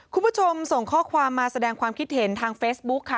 คุณผู้ชมส่งข้อความมาแสดงความคิดเห็นทางเฟซบุ๊คค่ะ